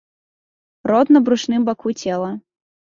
Рот на брушным баку цела.